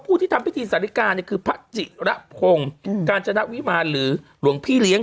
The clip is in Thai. ที่ทำพิธีสาฬิกาเนี่ยคือพระจิระพงศ์กาญจนวิมารหรือหลวงพี่เลี้ยง